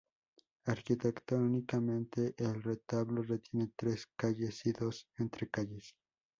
Arquitectónicamente, el retablo tiene tres calles y dos entrecalles.